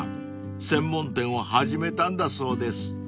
［専門店を始めたんだそうです］